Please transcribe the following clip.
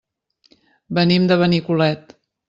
Venim de Benicolet.